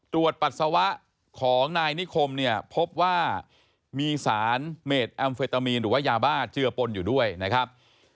ปัสสาวะของนายนิคมเนี่ยพบว่ามีสารเมดแอมเฟตามีนหรือว่ายาบ้าเจือปนอยู่ด้วยนะครับ